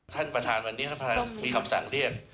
ท่านประธานวันนี้ท่านประธานมีคำสั่งเรียก